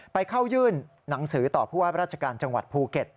ไปเข้ายื่นหนังสือต่อผู้ว่าราชการจังหวัดภูเก็ต